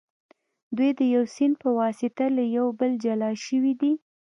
دوی د یو سیند په واسطه له یو بله جلا شوي دي.